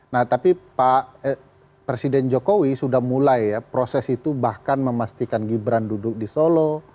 nah tapi pak presiden jokowi sudah mulai ya proses itu bahkan memastikan gibran duduk di solo